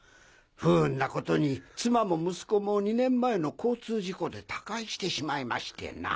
不運な事に妻も息子も２年前の交通事故で他界してしまいましてな。